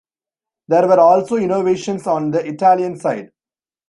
There were also innovations on the Italian side.